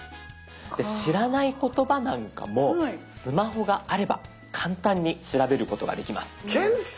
知らない言葉なんかもスマホがあれば簡単に調べることができます。